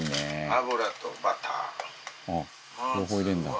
油とバター。